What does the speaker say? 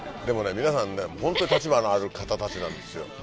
でも皆さんねホントに立場のある方たちなんですよ。